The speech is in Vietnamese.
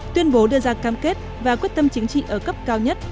tuyên bố đưa ra cam kết và quyết tâm chính trị ở cấp cao nhất